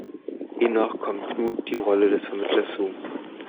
Demnach kommt Knut die Rolle des Vermittlers zu.